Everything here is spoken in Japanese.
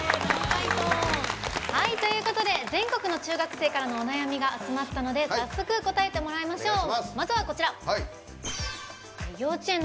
全国の中学生からのお悩みが集まったので早速答えてもらいましょう。